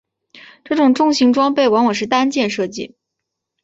这些重型装备往往是单件设计。